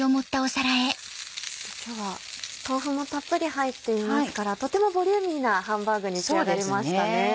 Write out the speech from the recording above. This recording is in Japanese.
今日は豆腐もたっぷり入っていますからとてもボリューミーなハンバーグに仕上がりましたね。